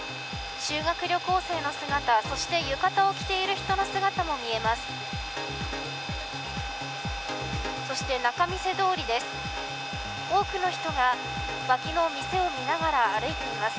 修学旅行生の姿そして浴衣を着ている人の姿も見えます。